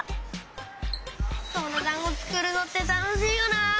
どろだんごつくるのってたのしいよな！